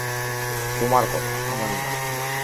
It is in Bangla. তোমার কথা, আমার না।